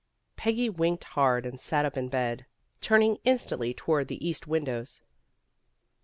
Peggy winked hard and sat up in bed, turning instantly toward the east windows.